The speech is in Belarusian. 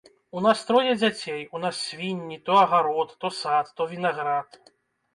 У нас трое дзяцей, у нас свінні, то агарод, то сад, то вінаград.